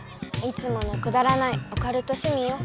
いつものくだらないオカルトしゅみよ。